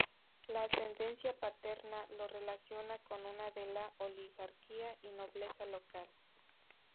La ascendencia paterna lo relaciona con una de la oligarquía y nobleza local.